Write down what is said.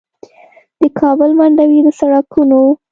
د کابل منډوي د سړکونو